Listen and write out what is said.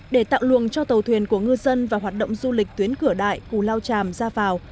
để tạo luồng cho tàu thuyền của ngư dân và hoạt động du lịch tuyến cửa đại cù lao tràm ra vào